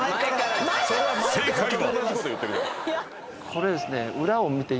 これですね。